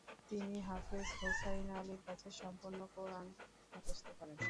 তিনি হাফেয হোসাইন আলীর কাছে সম্পূর্ণ কুরআন মুখস্থ করেন।